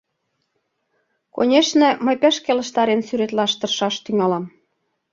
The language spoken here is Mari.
Конешне, мый пеш келыштарен сӱретлаш тыршаш тӱҥалам.